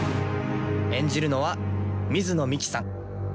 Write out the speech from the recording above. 演じるのは水野美紀さん。